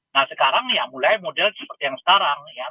nah sekarang ya mulai model seperti yang sekarang ya